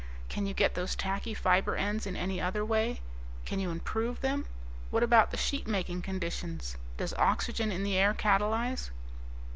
Can you get those tacky fiber ends in any other way? Can you improve them? What about the sheet making conditions? Does oxygen in the air catalyze...?"